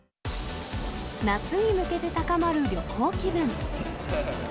夏に向けて高まる旅行気分。